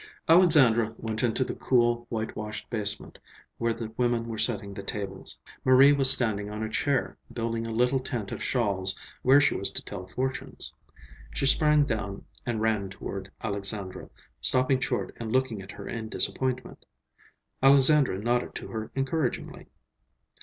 Alexandra went into the cool, whitewashed basement where the women were setting the tables. Marie was standing on a chair, building a little tent of shawls where she was to tell fortunes. She sprang down and ran toward Alexandra, stopping short and looking at her in disappointment. Alexandra nodded to her encouragingly.